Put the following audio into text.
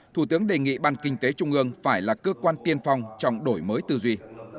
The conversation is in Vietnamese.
thủ tướng đề nghị ban kinh tế trung ương phải là cơ quan tiên phong trong đổi mới tư duy